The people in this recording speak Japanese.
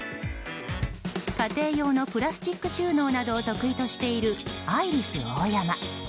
家庭用のプラスチック収納などを得意としているアイリスオーヤマ。